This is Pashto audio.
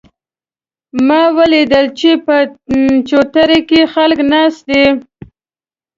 ما ولیدل چې په چوتره کې خلک ناست دي